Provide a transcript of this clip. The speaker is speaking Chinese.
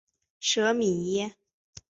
舍米耶。